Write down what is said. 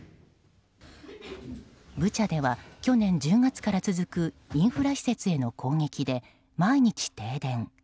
ブチャでは去年１０月から続くインフラ施設への攻撃で毎日停電。